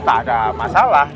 tak ada masalah